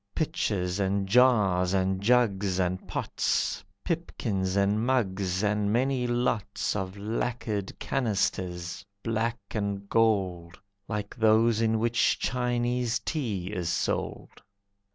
Pitchers, and jars, and jugs, and pots, Pipkins, and mugs, and many lots Of lacquered canisters, black and gold, Like those in which Chinese tea is sold.